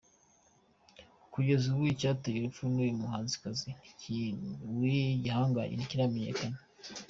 Kugeza ubu, icyateye urupfu rw’uyu muhanzikazi w’igihangange ntikiramenyakana.